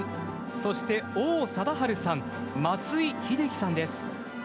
そして王貞治さん、松井秀喜さんです。